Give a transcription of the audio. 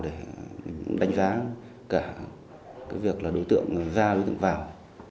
để đánh giá cả cái việc là đối tượng ra đối tượng vào